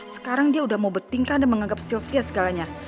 sekarang dia udah mau betingkan dan menganggap sylvia segalanya